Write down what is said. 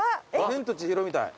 『千と千尋』みたい。